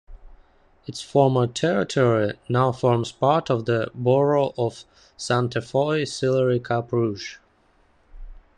Its former territory now forms part of the borough of Sainte-Foy-Sillery-Cap-Rouge.